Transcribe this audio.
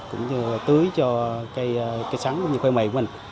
cũng như tưới cho cây sắn cây mây của mình